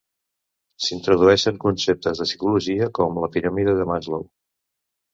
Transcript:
S'introdueixen conceptes de psicologia, com la piràmide de Maslow.